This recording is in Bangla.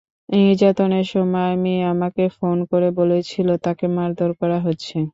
নির্যাতনের সময় মেয়ে আমাকে ফোন করে বলেছিল, তাকে মারধর করা হচ্ছে।